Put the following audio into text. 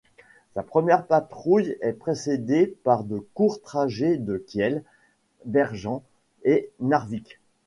Sa première patrouille est précédée par de courts trajets de Kiel, Bergen et Narvik.